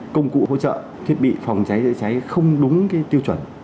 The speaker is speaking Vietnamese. công cụ hỗ trợ thiết bị phòng cháy chữa cháy không đúng tiêu chuẩn